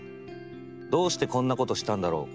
どうしてこんなことしたんだろう？